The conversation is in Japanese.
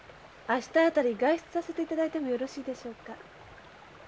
明日辺り外出させていただいてもよろしいでしょうか？